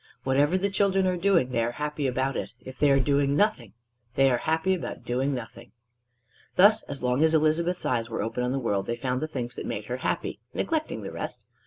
Whatever the children are doing, they are happy about it; if they are doing nothing, they are happy about doing nothing. Thus, as long as Elizabeth's eyes were open on the world, they found the things that made her happy, neglecting the rest.